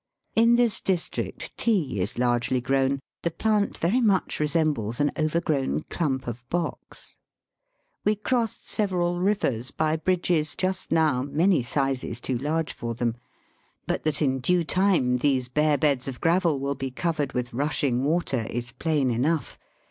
In this district tea is largely grown. The plant very much resembles an overgrown clump of box. We crossed several rivers by bridges just now many sizes too large for them. But that in due time these bare beds of gravel will be covered with rushing water is plain enough.